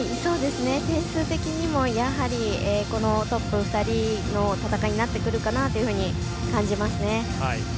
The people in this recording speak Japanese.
点数的にも、やはりこのトップ２人の戦いになってくるかなというふうに感じますね。